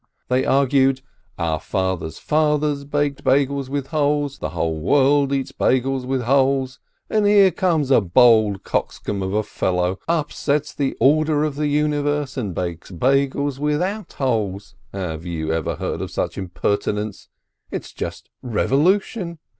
They argued: "Our fathers' fathers baked Beigels with holes, the whole world eats Beigels with holes, and here comes a bold coxcomb of a fellow, upsets the order of the universe, and bakes Beigels without holes! Have you ever heard of such impertinence? It's just revolution!